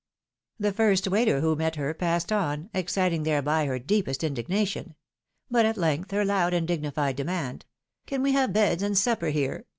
The first waiter who met her passed on, exciting thereby her deepest indignation; but at length her loud and dignified demand, " Can we have beds and supper here?"